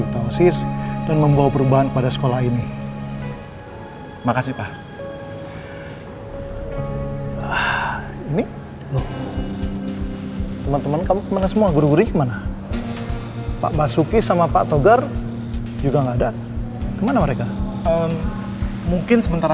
tidak ada pihak sekolah yang menyuruh ripki mundur dan wakilnya